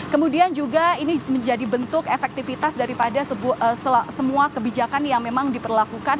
kemudian juga ini menjadi bentuk efektivitas daripada semua kebijakan yang memang diperlakukan